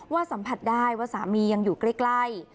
สัมผัสได้ว่าสามียังอยู่ใกล้